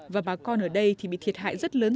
và bà con ở đây thì bị thiệt hại rất lớn